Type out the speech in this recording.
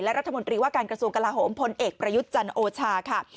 รัฐมนตรีว่าการกระทรวงกลาโหมพลเอกประยุทธ์จันทร์โอชาค่ะ